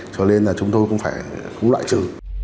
cho nên là chúng tôi cũng phải cũng loại trừ